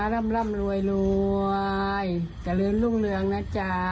ร่ำร่ำรวยรวยเจริญรุ่งเรืองนะจ๊ะ